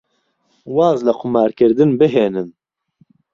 واز لە قومارکردن بهێنن.